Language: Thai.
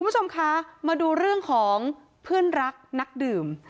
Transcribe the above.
คุณผู้ชมคะมาดูเรื่องของเพื่อนรักนักดื่ม